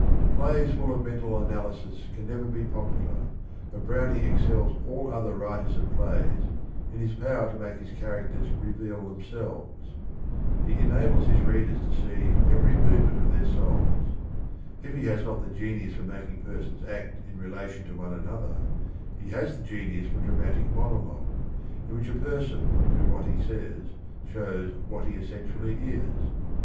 Plays full of mental analysis can never be popular, but Browning excels all other 8 THE RING AND THE BOOK writers of plays in his power to make his char acters reveal themselves. He enables his readers to see every movement of their souls. If he has not the genius for making persons act in rela tion to one another, he has the genius for dra matic monologue, in which a person through what he says shows what he essentially is.